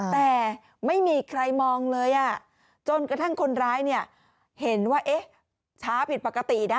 แต่ไม่มีใครมองเลยจนกระทั่งคนร้ายเนี่ยเห็นว่าเอ๊ะช้าผิดปกตินะ